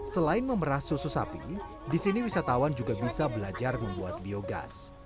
selain memerah susu sapi di sini wisatawan juga bisa belajar membuat biogas